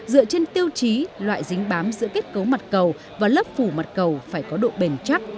dựa trên tiêu chí loại dính bám giữa kết cấu mặt cầu và lớp phủ mặt cầu phải có độ bền chắc